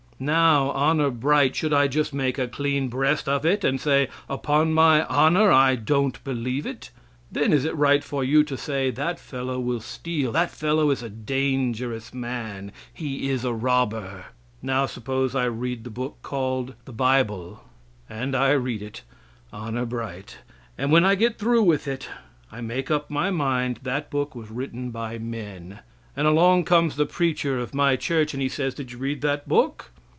Now, honor bright, should I just make a clean breast of it and say "Upon my honor, I don't believe it?" Then is it right for you to say "That fellow will steal that fellow is a dangerous man he is a robber?" Now, suppose I read the book called the bible (and I read it, honor bright), and when I get through with it I make up my mind that book was written by men; and along comes the preacher of my church, and he says "Did you read that book?"